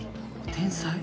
天才。